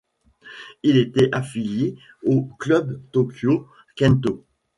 Il était affilié au club Tōkyō Kentō.